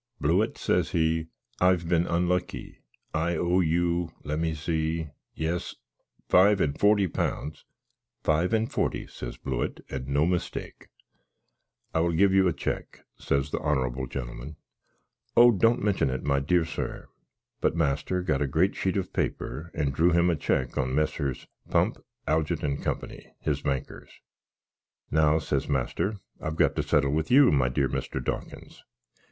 "Blewitt," says he, "I've been unlucky. I owe you let me see yes, five and forty pounds?" "Five and forty," says Blewitt, "and no mistake!" "I will give you a cheque," says the honrabble genlmn. "Oh! don't mention it, my dear sir!" But master got a grate sheet of paper, and drew him a check on Messeers. Pump, Algit, and Co., his bankers. "Now," says master, "I've got to settle with you, my dear Mr. Dawkins.